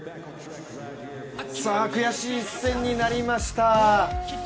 さぁ、悔しい一戦になりました。